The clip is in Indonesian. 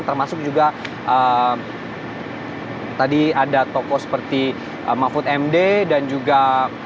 termasuk juga tadi ada toko seperti mahfud md dan juga menko polunom